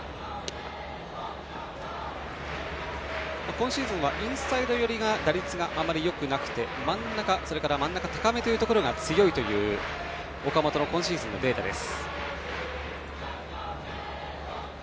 今シーズンはインサイド寄りの打率があまりよくなくて真ん中、真ん中高めが強いという岡本の今シーズンのデータです。